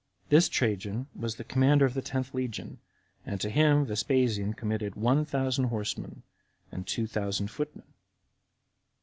This Trajan was the commander of the tenth legion, and to him Vespasian committed one thousand horsemen, and two thousand footmen.